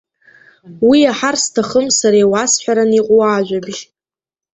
Уи иаҳар сҭахым сара иуасҳәаран иҟоу ажәабжь.